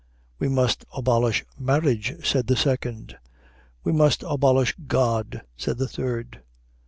"'We must abolish marriage,' said the second. "'We must abolish God,' said the third.